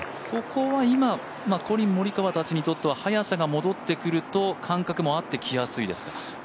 そこは今コリン・モリカワたちにとっては速さが戻ってくると、感覚もあってきやすいですか。